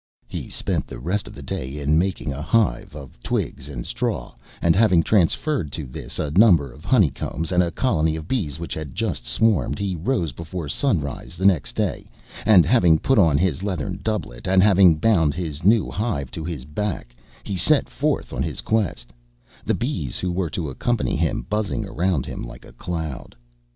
He spent the rest of the day in making a hive of twigs and straw, and, having transferred to this a number of honey combs and a colony of bees which had just swarmed, he rose before sunrise the next day, and having put on his leathern doublet, and having bound his new hive to his back, he set forth on his quest; the bees who were to accompany him buzzing around him like a cloud.